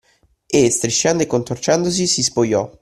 E, strisciando e contorcendosi, si spogliò